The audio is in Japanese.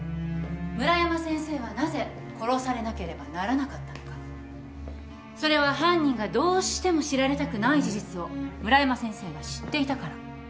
村山先生はなぜ殺されなければならなかったのか。それは犯人がどうしても知られたくない事実を村山先生が知っていたから。